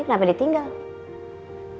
ini kenapa dia tinggal